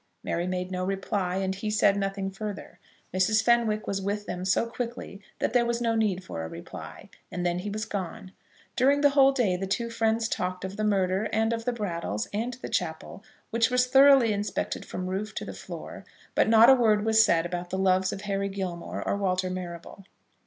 Mary made no reply, and he said nothing further. Mrs. Fenwick was with them so quickly that there was no need for a reply, and then he was gone. During the whole day the two friends talked of the murder, and of the Brattles, and the chapel, which was thoroughly inspected from the roof to the floor, but not a word was said about the loves of Harry Gilmore or Walter Marrable.